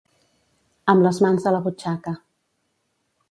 Amb les mans a la butxaca.